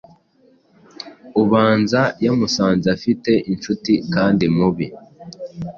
ubanza yamusanze afite inshuti kandi mubi